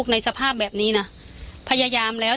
ที่มีข่าวเรื่องน้องหายตัว